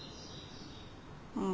うん。